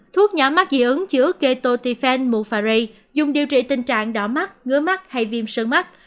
thuốc nhỏ mắt dị ứng chữa ketotiphen mufari dùng điều trị tình trạng đỏ mắt ngứa mắt hay viêm sơn mắt